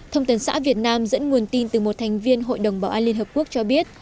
thông tấn xã việt nam dẫn nguồn tin từ một thành viên hội đồng bảo an liên hợp quốc cho biết